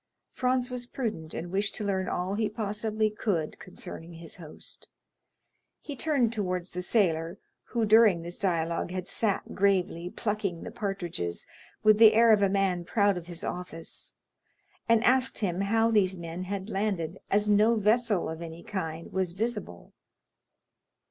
Franz was prudent, and wished to learn all he possibly could concerning his host. He turned towards the sailor, who, during this dialogue, had sat gravely plucking the partridges with the air of a man proud of his office, and asked him how these men had landed, as no vessel of any kind was visible.